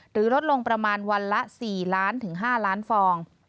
ลดลงประมาณวันละ๔ล้านถึง๕ล้านฟอง